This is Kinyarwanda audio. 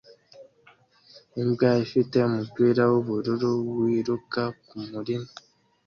Imbwa ifite umupira w'ubururu wiruka mu murima